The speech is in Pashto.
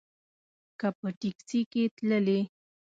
که په ټیکسي کې تللې.